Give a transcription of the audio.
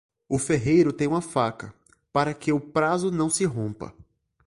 O ferreiro tem uma faca, para que o prazo não se rompa.